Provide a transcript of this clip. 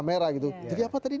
terdengar di bawah kamera gitu